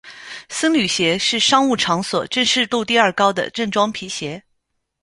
僧侣鞋是商务场所正式度第二高的正装皮鞋。